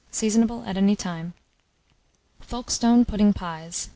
Seasonable at any time. FOLKESTONE PUDDING PIES.